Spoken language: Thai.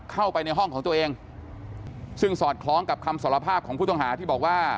เข้าไปในห้องของตัวเองซึ่งสอดคล้องกับคำสารภาพของผู้ต้องหาที่บอกว่า